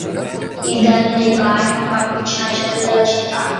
Il Delaney Park è un parco vicino al centro della città.